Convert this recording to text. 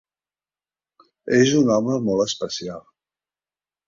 És un home molt especial.